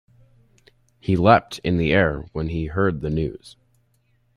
He leapt in the air when he heard the news.